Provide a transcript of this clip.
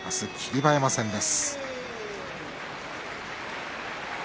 馬山戦です。